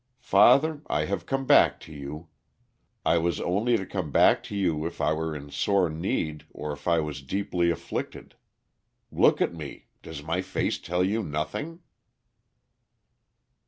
Father, I have come back to you. I was only to come back to you if I were in sore need or if I was deeply afflicted. Look at me! Does my face tell you nothing?"